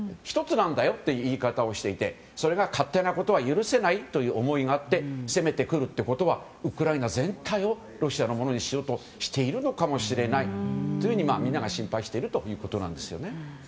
１つなんだよっていう言い方をしていて勝手なことは許せないという思いがあって攻めてくるということはウクライナ全体をロシアのものにしようとしているのかもしれないというふうにみんなが心配しているということなんです。